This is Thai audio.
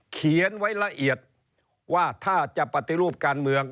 เขียนไว้ละเอียดว่าถ้าจะปฏิรูปการเมือง